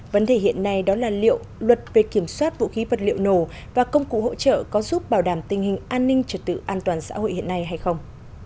vấn đề hiện nay đó là liệu luật về kiểm soát vũ khí vật liệu nổ và công cụ hỗ trợ có giúp bảo đảm tình hình an ninh trật tự an toàn xã hội hiện nay hay không